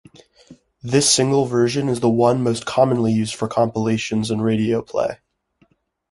This single version is the one most commonly used for compilations and radio play.